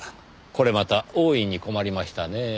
これまた大いに困りましたねぇ。